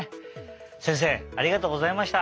せんせいありがとうございました。